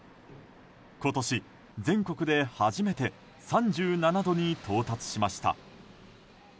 今年全国で初めて３７度に到達しました。